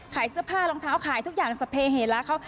ขายเสื้อผ้ารองเท้าขายทุกอย่างสะเพราเขา